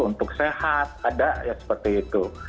untuk sehat ada ya seperti itu